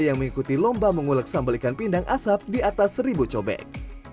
yang mengikuti lomba mengulek sambal ikan pindang asap di atas seribu cobek